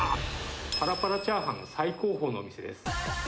ぱらぱらチャーハンの最高峰のお店です。